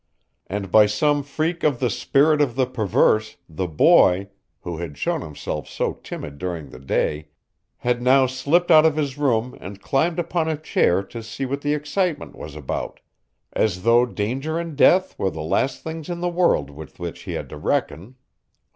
And by some freak of the spirit of the perverse the boy, who had shown himself so timid during the day, had now slipped out of his room and climbed upon a chair to see what the excitement was about, as though danger and death were the last things in the world with which he had to reckon.